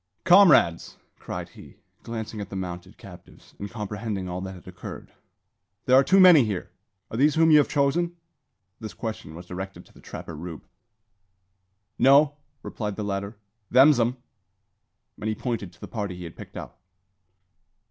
"Comrades!" cried he, glancing at the mounted captives, and comprehending all that had occurred, "there are too many here. Are these whom you have chosen?" This question was directed to the trapper Rube. "No," replied the latter, "them's 'em," and he pointed to the party he had picked out.